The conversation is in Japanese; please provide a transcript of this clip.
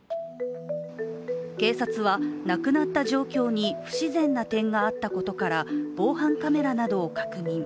警察は、亡くなった状況に不自然な点があったことから防犯カメラなどを確認。